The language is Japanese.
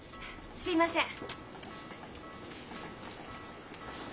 すみません。